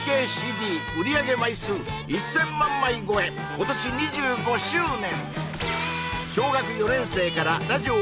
今年２５周年